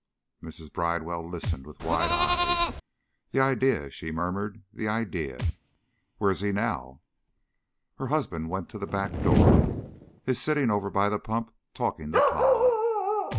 Mrs. Bridewell listened with wide eyes. "The idea," she murmured. "The idea! Where's he now?" Her husband went to the back door. "He's sitting over by the pump talking to Tod.